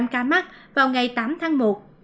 một mươi năm ca mắc vào ngày tám tháng một